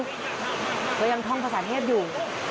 ก็ยังท่องภาษาเนธอยู่